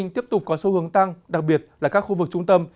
tiếp tục có xu hướng tăng đặc biệt là các khu vực trung tâm